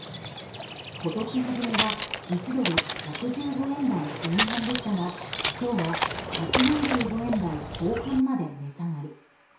今年初めは１ドル＝１１５円台前半でしたが今日は１４５円台後半まで値下がり。